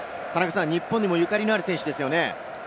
日本にもゆかりのある選手ですね。